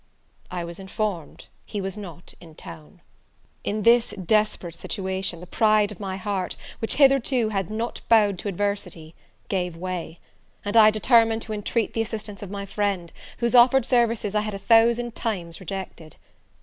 I was informed he was not in town. In this desperate situation, the pride of my heart, which hitherto had not bowed to adversity, gave way; and I determined to intreat the assistance of my friend, whose offered services I had a thousand times rejected.